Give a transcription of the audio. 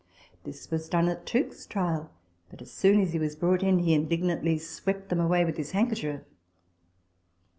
This was done at Tooke's trial ; but, as soon as he was brought in, he indignantly swept them away with his handkerchief.